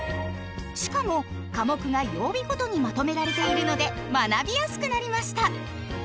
しかも科目が曜日ごとにまとめられているので学びやすくなりました！